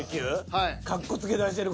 はい。